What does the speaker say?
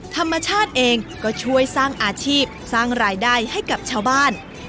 ธรรมชาติเองก็ช่วยสร้างอาชีพสร้างรายได้ให้กับชาวบ้าน